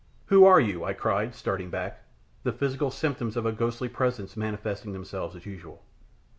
"Who are you?" I cried, starting back, the physical symptoms of a ghostly presence manifesting themselves as usual.